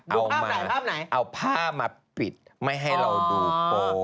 ดูภาพไหนเอามาเอาภาพมาปิดไม่ให้เราดูโป๊ะ